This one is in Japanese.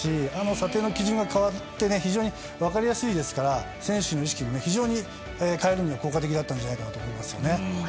査定の基準が変わって非常に分かりやすいですから選手の意識を変えるには効果的だったと思います。